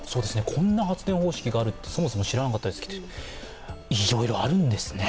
こんな発電方式があるってそもそも知らなかったですしいろいろあるんですね。